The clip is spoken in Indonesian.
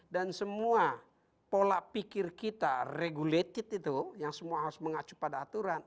dan semua pola pikir kita regulated itu yang semua harus mengacu pada aturan